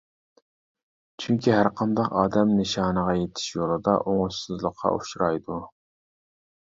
چۈنكى، ھەرقانداق ئادەم نىشانغا يېتىش يولىدا ئوڭۇشسىزلىققا ئۇچرايدۇ.